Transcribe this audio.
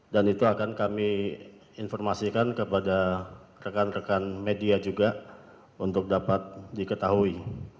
dan itu akan kami informasikan kepada rekan rekan media juga untuk dapat diketahui